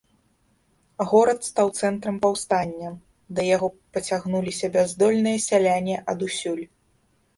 Горад стаў цэнтрам паўстання, да яго пацягнуліся бяздольныя сяляне адусюль.